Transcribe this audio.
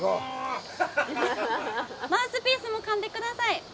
マウスピースもかんでください。